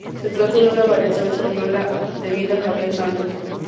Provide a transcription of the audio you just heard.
Se trata de una variación española debida a Javier Santos.